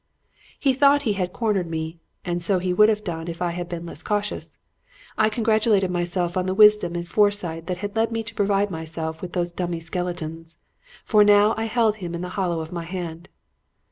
"He thought he had cornered me; and so he would have done if I had been less cautious. I congratulated myself on the wisdom and foresight that had led me to provide myself with those dummy skeletons. For now I held him in the hollow of my hand.